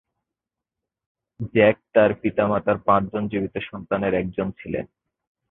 Jack তার পিতামাতা পাঁচজন জীবিত সন্তানের একজন ছিলেন।